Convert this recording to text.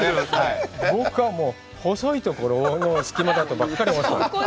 僕は細いところを隙間だとばかり思ってた。